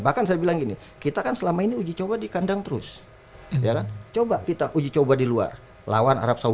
bahkan saya bilang gini kita akan selama ini uji coba dikandang terus coba coba diluar lawan arab